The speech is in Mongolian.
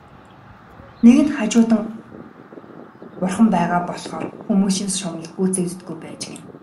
Нэгэнт хажууд нь Бурхан байгаа болохоор хүмүүсийн шунал гүйцэгддэггүй байж гэнэ.